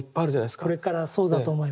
これからそうだと思います。